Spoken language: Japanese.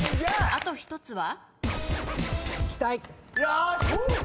あと１つは？